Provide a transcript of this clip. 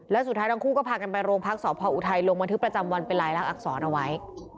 แล้วสุดท้ายทั้งคู่ก็พากันไปโรงพักสอบพออุทัยลงบันทึกประจำวันเป็นลายลักษณอักษรเอาไว้